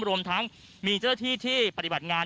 รวมทั้งมีเจ้าหน้าที่ที่ปฏิบัติงาน